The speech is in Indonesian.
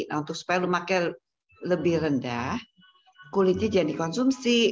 nah untuk supaya lemaknya lebih rendah kulitnya jangan dikonsumsi